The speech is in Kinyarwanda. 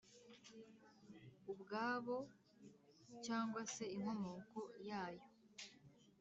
ubwabo cyangwa se inkomoko yayo.